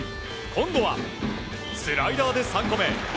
今度はスライダーで３個目。